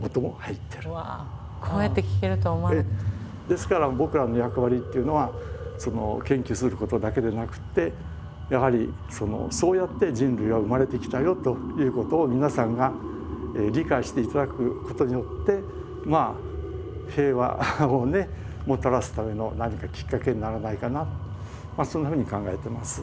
ですから僕らの役割っていうのは研究することだけでなくてやはりそうやって人類は生まれてきたよということを皆さんが理解していただくことによって平和をねもたらすための何かきっかけにならないかなとそんなふうに考えてます。